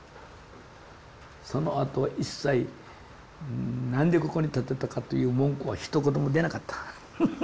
そのあと一切何でここにたてたかという文句はひと言も出なかった。